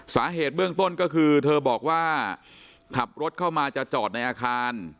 สาเหตุเบื้องต้นก็คือเธอบอกว่าขับรถเข้ามาจะจอดในอาคาร